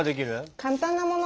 簡単なもの。